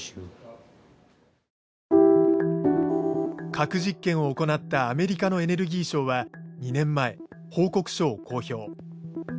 核実験を行ったアメリカのエネルギー省は２年前報告書を公表。